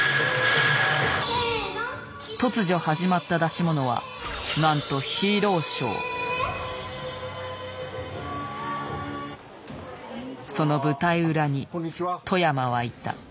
突如始まった出し物はなんとその舞台裏に外山はいた。